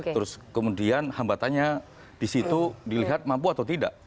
terus kemudian hambatannya di situ dilihat mampu atau tidak